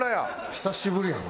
久しぶりやな。